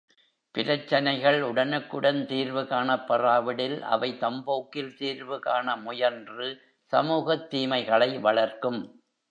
பிரச்சனைகள் உடனுக்குடன் தீர்வு காணப் பெறாவிடில் அவை தம்போக்கில் தீர்வு காண முயன்று சமூகத் தீமைகளை வளர்க்கும்.